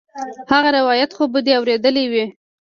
هغه روايت خو به دې اورېدلى وي.